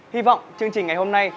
hy vọng chương trình ngày hôm nay